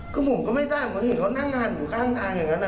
ก็ผมก็ไม่ต้องเพราะเห็นเขานั่งหันอยู่ข้างอย่างนั้น